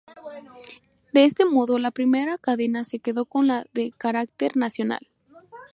De este modo, la primera cadena se quedó con la de carácter nacional.